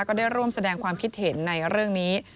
ก็ได้ร่วมแสดงความคิดเห็นในเรื่องนี้